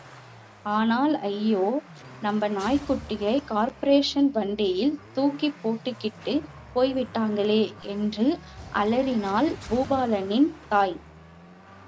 ஆனால் ஐயோ, நம்ப நாய்க்குட்டியை கார்ப்பரேஷன் நாய் வண்டியிலே தூக்கிப் போட்டுக்கிட்டுப் போயிட்டாங்களே! என்று அலறினாள் பூபாலனின் தாய்.